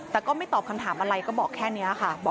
แต่ก็ไม่ตอบคำถามอะไรก็บอกแค่นี้ค่ะ